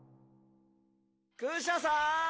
クシャさん！